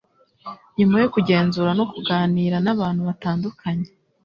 Nyuma yo kugenzura no kuganira n'abantu batandukanye